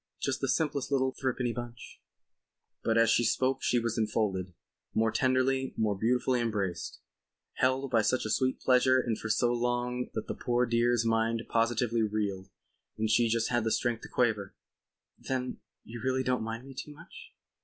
Just the simplest little thrippenny bunch." But as she spoke she was enfolded—more tenderly, more beautifully embraced, held by such a sweet pressure and for so long that the poor dear's mind positively reeled and she just had the strength to quaver: "Then you really don't mind me too much?"